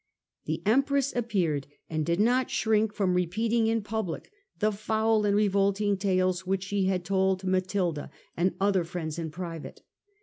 The empress appeared, and did not shrink from repeating in public the foul and re volting tales which she had told to Matilda and other Mends in private.